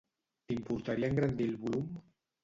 T'importaria engrandir el volum?